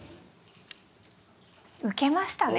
受けましたね。